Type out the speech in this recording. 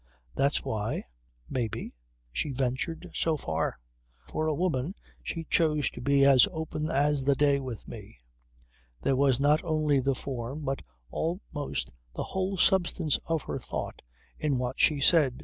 That's why, may be, she ventured so far. For a woman she chose to be as open as the day with me. There was not only the form but almost the whole substance of her thought in what she said.